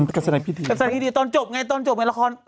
การแสดงพี่ดีตอนจบไงตอนจบไงละคร